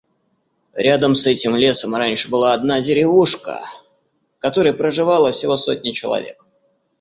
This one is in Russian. Рядом с этим лесом раньше была одна деревушка, в которой проживала всего сотня человек.